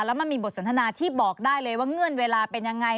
แล้วมันมีบทสนทนาที่บอกได้เลยว่าเงื่อนเวลาเป็นยังไง